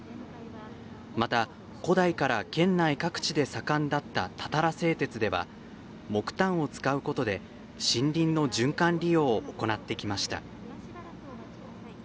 また、古代から県内各地で盛んだったたたら製鉄では木炭を使うことで森林の循環利用を行ってきました。